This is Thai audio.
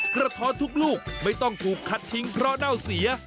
กระท้อนทุกลูกไม่ต้องถูกขัดทิ้งเพราะเน่าเสีย